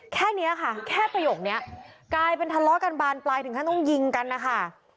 แค่นี้ค่ะแค่ประโยคนี้กลายเป็นทะเลาะกันบานปลายถึงขั้นต้องยิงกันนะคะ